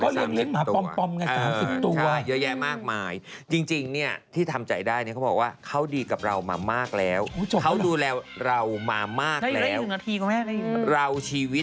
เขาเลือกเล็กหมาปอมไง๓๐ตัวใช่เยอะแยะมากมายเขาเลือกเล็กหมาปอมไง๓๐ตัว